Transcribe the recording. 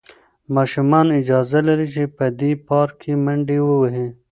ماشومان اجازه لري چې په دې پارک کې منډې ووهي.